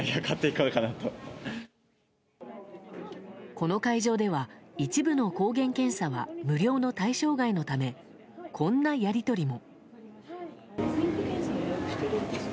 この会場では一部の抗原検査は無料の対象外のためこんなやり取りも。